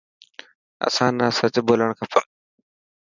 اسان نا سچ ٻولڻ کپي.